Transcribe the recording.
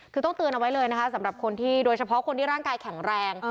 คือต้องเตือนเอาไว้เลยนะคะสำหรับคนที่โดยเฉพาะคนที่ร่างกายแข็งแรง